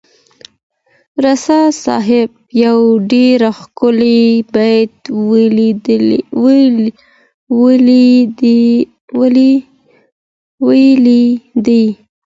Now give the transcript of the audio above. رسا صاحب یو ډېر ښکلی بیت ویلی دی.